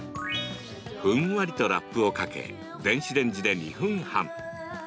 ふんわりとラップをかけ電子レンジで２分半。